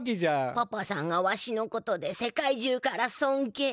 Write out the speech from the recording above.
パパさんがわしのことで世界中からそんけい。